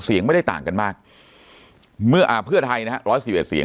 เสียงไม่ได้ต่างกันมากเมื่ออ่าเพื่อไทยนะฮะร้อยสิบเอ็ดเสียง